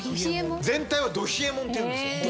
全体はど冷えもんっていうんですよ。